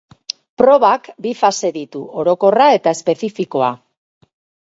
Probak bi fase ditu, orokorra eta espezifikoa.